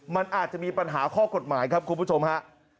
มันอาจจะมีปัญหาข้อกฎหมายครับคุณผู้ชมฮะ